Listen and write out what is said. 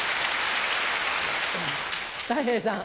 たい平さん。